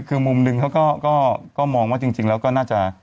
คือมุมหนึ่งเขาก็มองว่าจริงแล้วก็น่าจะ